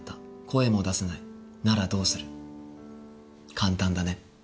簡単だね。